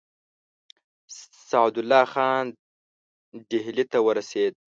سعدالله خان ډهلي ته ورسېد.